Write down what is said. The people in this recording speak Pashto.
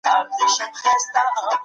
دا سرمایوي اجناس تر تیرو هغو ښه دي.